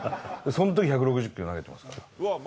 そのとき、１６０キロ投げてます